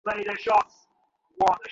আমি ভেবেছি তুমি জ্বালিয়েছ।